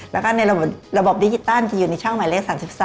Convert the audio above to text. แล้วก็ในระบบดิจิตัลจะอยู่ในช่องหมายเลข๓๓